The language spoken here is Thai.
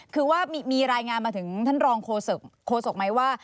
คือว่ามีรายงานมาถึงท่านรองโฆษกไหมว่า